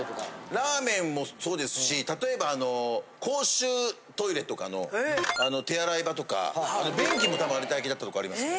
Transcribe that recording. ラーメンもそうですし例えば公衆トイレとかの手洗い場とか便器もたぶん有田焼だったとこありますね。